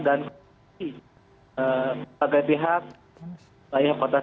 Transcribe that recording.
dan memperbaiki sebagai pihak layak kota